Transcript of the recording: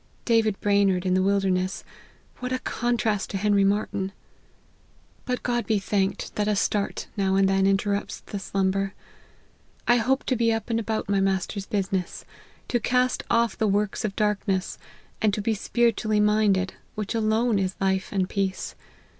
David Brainerd in the wilderness, what a contrast to Henry Martyn ! But God be thanked that a start now and then interrupts the slumber. I hope to be up and about my Master's business ; to cast off the works of darkness, and to be spiritually minded, which alone is life and peace.